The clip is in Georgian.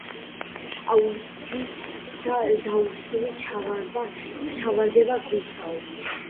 "აუსვი და დაუსვი ჩავარდება გულსაო."